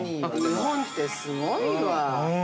日本ってすごいわ。